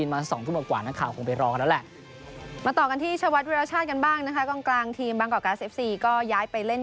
อยู่กับทีมานานนะครับ๑๐ปี